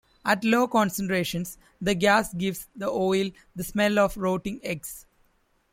At low concentrations the gas gives the oil the smell of rotting eggs.